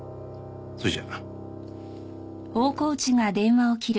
それじゃ。